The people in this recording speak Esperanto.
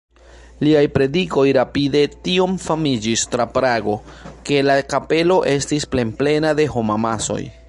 Liaj predikoj rapide tiom famiĝis tra Prago, ke la kapelo estis plenplena de homamasoj.